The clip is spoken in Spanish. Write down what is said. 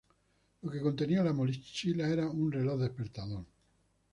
Lo que contenía la mochila era un reloj despertador.